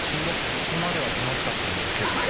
ここまでは楽しかったんですけどね。